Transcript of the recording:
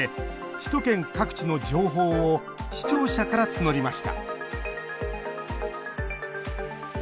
首都圏各地の情報を視聴者から募りました。